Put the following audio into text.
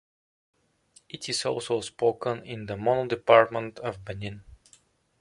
It is also spoken in the Mono Department of Benin.